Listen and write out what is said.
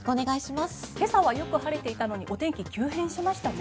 今朝はよく晴れていたのにお天気、急変しましたね。